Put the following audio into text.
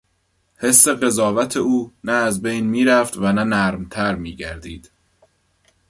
حس قضاوت او نه از بین میرفت و نه نرمتر میگردید.